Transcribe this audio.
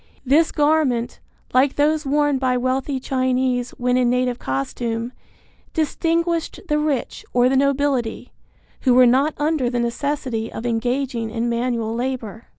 This garment, like those worn by wealthy Chinese when in native costume, distinguished the rich or the nobility, who were not under the necessity of engaging in manual labor.